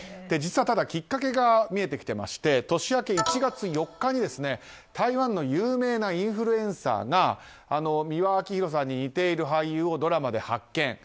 実は、きっかけが見えていまして年明け１月４日に台湾の有名なインフルエンサーが美輪明宏さんに似ている俳優をドラマで発見。